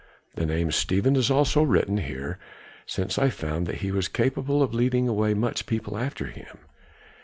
The name Stephen is also written here, since I found that he was capable of leading away much people after him.